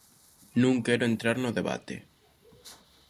Non quero entrar no debate.